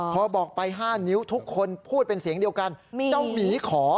พอบอกไป๕นิ้วทุกคนพูดเป็นเสียงเดียวกันเจ้าหมีขอ